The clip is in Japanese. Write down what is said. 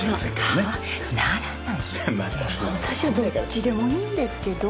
私はどっちでもいいんですけど。